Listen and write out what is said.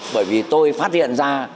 bởi vì tôi phát hiện ra